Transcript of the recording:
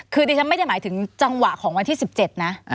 คือดิฉันไม่ได้หมายถึงจังหวะของวันที่๑๗นะ